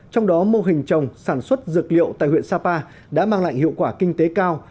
trong đó mô hình trồng sản xuất dược liệu tại huyện sapa đã mang lại hiệu quả kinh tế cao